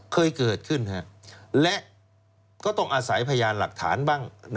เคยเกิดขึ้นและก็ต้องอาศัยพยานหลักฐานบ้าง